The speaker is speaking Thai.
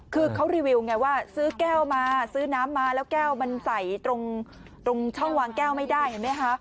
คือเขารีวิวไงว่าซื้อแก้วมาซื้อน้ำมาแล้วแก้วมันใส่ตรงช่องวางแก้วไม่ได้เห็นไหมคะ